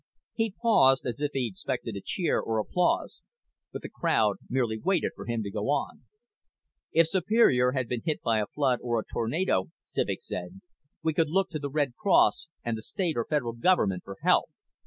He paused as if he expected a cheer, or applause, but the crowd merely waited for him to go on. "If Superior had been hit by a flood or a tornado," Civek said, "we could look to the Red Cross and the State or Federal Government for help.